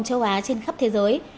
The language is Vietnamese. châu á trên khắp thế giới